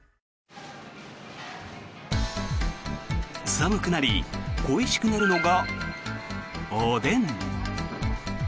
寒くなり、恋しくなるのがおでん。